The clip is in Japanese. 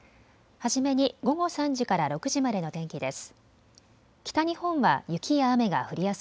初めに午後３時から６時までの天気です。